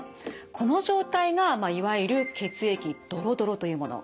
この状態がいわゆる血液どろどろというもの。